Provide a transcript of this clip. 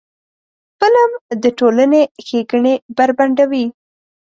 فلم د ټولنې ښېګڼې بربنډوي